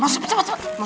mau salaman kan